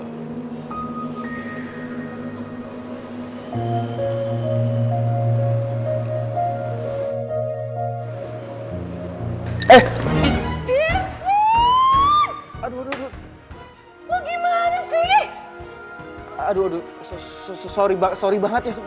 aku udah berhenti